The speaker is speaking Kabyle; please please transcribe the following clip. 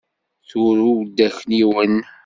Turew-d akniwen.